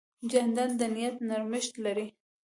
جانداد د نیت نرمښت لري.